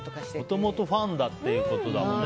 もともとファンだっていうことだもんね。